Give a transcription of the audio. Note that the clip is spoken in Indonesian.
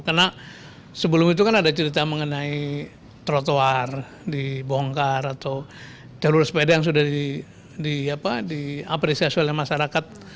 karena sebelum itu kan ada cerita mengenai trotoar dibongkar atau jalur sepeda yang sudah diapresiasi oleh masyarakat